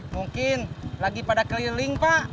mungkin lagi pada keliling pak